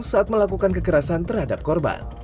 saat melakukan kekerasan terhadap korban